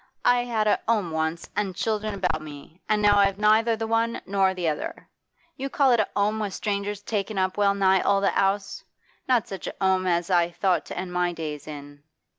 I had a 'ome once an' children about me, an' now I've neither the one nor the other. You call it a 'ome with strangers takin' up well nigh all the 'ouse? Not such a ome as I thought to end my days in.